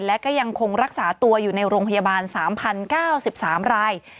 และก็ยังคงรักษาตัวอยู่ในโรงพยาบาล๓๐๙๓ราย